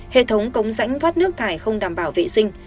hệ thống cống rãnh thoát nước thải không đảm bảo vệ sinh